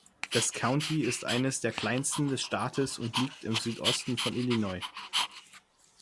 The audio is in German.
Das County ist eines der kleinsten des Staates und liegt im Südosten von Illinois.